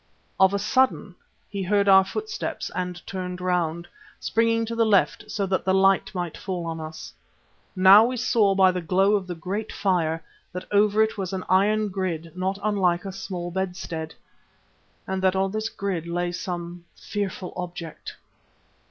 Of a sudden he heard our footsteps and turned round, springing to the left, so that the light might fall on us. Now we saw by the glow of the great fire, that over it was an iron grid not unlike a small bedstead, and that on this grid lay some fearful object.